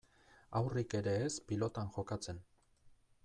Haurrik ere ez pilotan jokatzen.